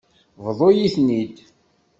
Bḍu-yi-ten-id.